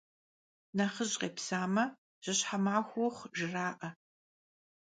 Nexhıj khêpsame, «Jışhe maxue vuxhu!», – jjra'e.